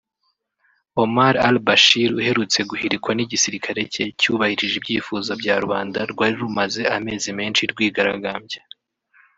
Omar al Bashir uherutse guhirikwa n’igisirikare cye cyubahirije ibyifuzo bya rubanda rwari rumaze amezi menshi rwigaragambya